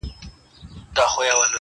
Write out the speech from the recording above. كړۍ ،كـړۍ لكه ځنځير ويـده دی~